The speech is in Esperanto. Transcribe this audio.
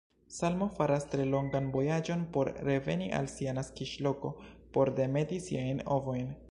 Salmo faras tre longan vojaĝon por reveni al sia naskiĝloko por demeti siajn ovojn.